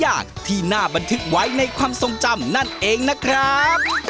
เด็กหน้าที่น่าบันทึกไว้ในความจำนั้นเองนะครับ